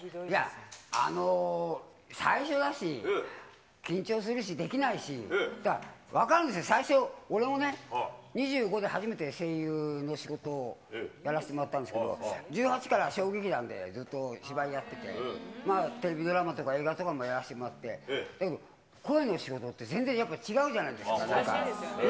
あの、最初だし、緊張するし、できないし、だから分かるんですよ、最初、俺もね、２５で初めて声優の仕事をやらせてもらったんですけど、１８から小劇団でずっと芝居やってて、テレビドラマとか映画とかもやらせてもらって、だけど声の仕事って全然やっぱり違うじゃないですか。